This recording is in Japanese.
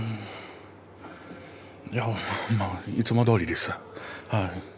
いつもどおりです。